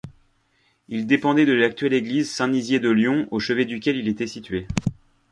Il dépendait de l'actuelle église Saint-Nizier de Lyon au chevet duquel il était situé.